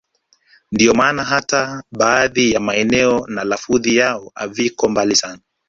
Ndio maana hata baadhi ya maneno na lafudhi yao haviko mbali sana